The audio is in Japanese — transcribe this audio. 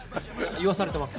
言わされてます。